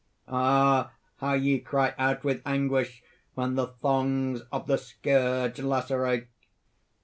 "Ah, how ye cry out with anguish when the thongs of the scourge lacerate!